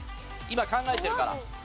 今考えてるから。